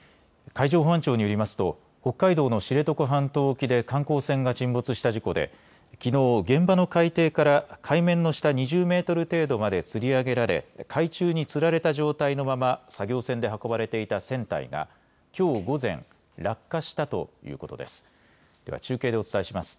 海上保安庁によりますと北海道の知床半島沖で観光船が沈没した事故できのう現場の海底から海面の下２０メートル程度までつり上げられ海中につられた状態のまま作業船で運ばれていた船体がきょう午前落下したということです。